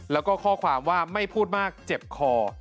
แล้วก็ข้อความว่าไม่พูดมากเจ็บคอ